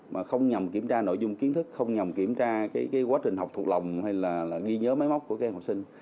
mà không nhầm kiểm tra nội dung kiến thức không nhầm kiểm tra quá trình học thuộc lòng hay là ghi nhớ máy móc của các học sinh